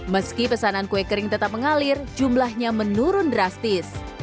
meski pesanan kue kering tetap mengalir jumlahnya menurun drastis